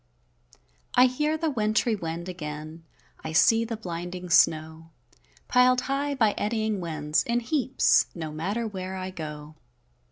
I hear the wintry wind again, I see the blinding snow, Pil'd high, by eddying winds, in heaps, No matter where I go.